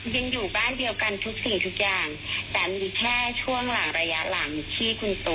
ยังอยู่บ้านเดียวกันทุกสิ่งทุกอย่างแต่มีแค่ช่วงหลังระยะหลังที่คุณโต